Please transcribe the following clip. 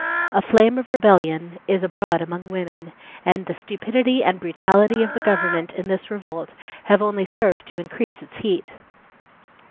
A flame of rebellion is abroad among women, and the stupidity and brutality of the government in this revolt have only served to increase its heat.